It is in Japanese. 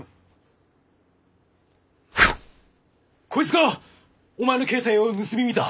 こいつがお前の携帯を盗み見た。